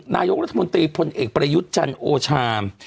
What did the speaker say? นายกรัฐมนตรีพลเอกประยุทธ์จันทร์โอชา